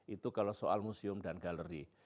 itu kalau soal museum dan galeri